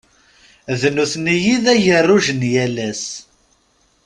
D nutni i d ageruj n yal ass.